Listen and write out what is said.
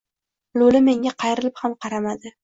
Lo‘li menga qayrilib ham qaramadi.